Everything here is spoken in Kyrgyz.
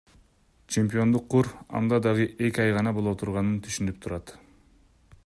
Чемпиондук кур анда дагы эки ай гана боло турганын түшүнүп турат.